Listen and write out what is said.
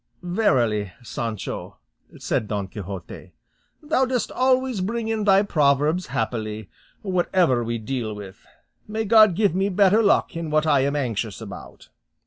"Verily, Sancho," said Don Quixote, "thou dost always bring in thy proverbs happily, whatever we deal with; may God give me better luck in what I am anxious about."